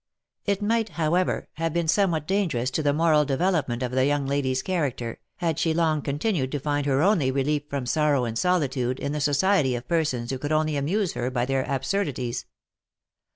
It might, however, have been somewhat dangerous to the moral development of the young lady's character, had she long continued to find her only relief from sorrow and solitude in the society of persons who could only amuse her by their absurdities.